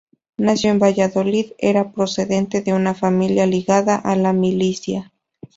Nació en Valladolid, era procedente de una familia ligada a la milicia.